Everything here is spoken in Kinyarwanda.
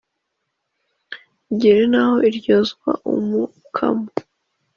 igere n' aho iryozwa umukamo